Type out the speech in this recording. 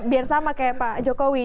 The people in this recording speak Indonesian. biar sama kayak pak jokowi